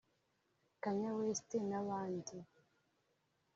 Kanye West n’abandi